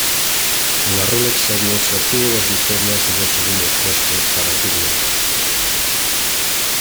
En la Rolex Series obtuvo dos victorias y dos segundos puestos para Turner.